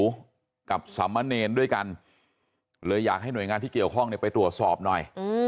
อยู่กับสามเณรด้วยกันเลยอยากให้หน่วยงานที่เกี่ยวข้องเนี่ยไปตรวจสอบหน่อย